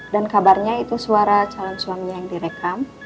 dan kabarnya itu suara calon suaminya yang direkam